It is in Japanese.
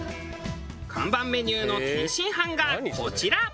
看板メニューの天津飯がこちら。